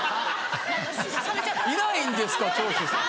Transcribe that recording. いないんですか長州さん。